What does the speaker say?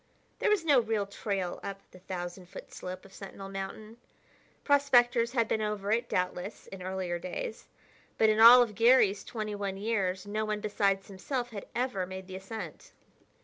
There was no real trail up the thousand foot slope of Sentinel Mountain. Prospectors had been over it, doubtless, in earlier days, but in all of Garry's twenty one years no one besides himself had ever made the ascent.